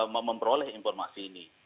memperoleh informasi ini